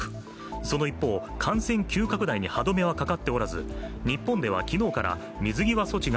その一方、感染急拡大に歯止めはかかっておらず、日本では昨日から水際措置が